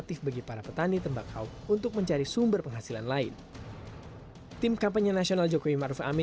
tim kampanye nasional jokowi maruf amin